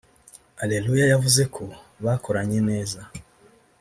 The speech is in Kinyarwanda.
Areruya yavuze ko bakoranye neza